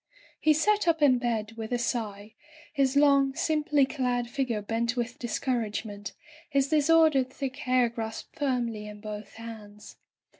He sat up in bed with a sigh, his long, sim ply clad figure bent with discouragement, his disordered thick hair grasped firmly in both hands.